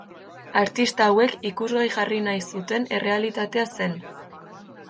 Artista hauek ikusgai jarri nahi zuten errealitatea zen.